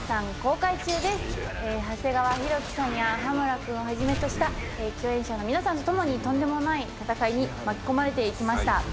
長谷川博己さんや羽村君をはじめとした共演者の皆さんと共にとんでもない戦いに巻き込まれていきました。